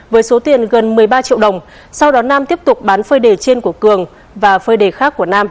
với số tiền gần một mươi ba triệu đồng sau đó nam tiếp tục bán phơi đề trên của cường và phơi đề khác của nam